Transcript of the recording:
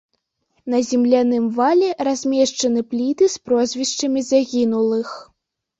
На земляным вале размешчаны пліты з прозвішчамі загінулых.